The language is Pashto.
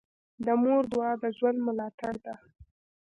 د مور دعا د ژوند ملاتړ ده.